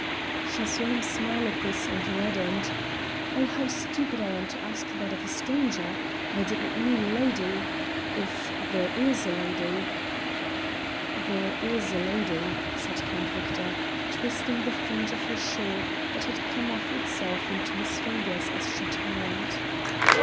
She saw him smile at this, and reddened. "Oh, how stupid I am to ask that of a stranger! I did not mean a lady if there is a lady." "There is a lady," said Count Victor, twisting the fringe of her shawl that had come of itself into his fingers as she turned.